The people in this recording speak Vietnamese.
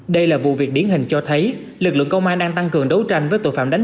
đây là vụ việc điển hình cho thấy lực lượng công an đang tăng cường đấu tranh với tội phạm đánh